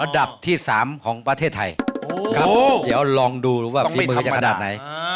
ระดับที่๓ของประเทศไทยและลองดูฟีเมอร์จะขนาดไหน